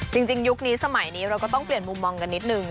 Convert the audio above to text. ยุคนี้สมัยนี้เราก็ต้องเปลี่ยนมุมมองกันนิดนึง